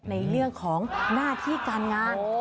ในเรื่องของหน้าที่การงาน